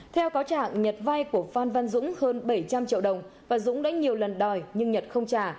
theo cáo trạng nhật vai của phan văn dũng hơn bảy trăm linh triệu đồng và dũng đã nhiều lần đòi nhưng nhật không trả